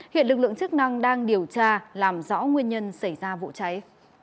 hiện lực lượng chức năng đang điều tra làm rõ nguyên nhân xảy ra vụ cháy